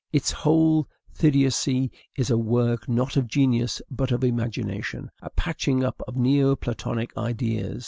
Its whole theodicy is a work not of genius but of imagination, a patching up of neo Platonic ideas.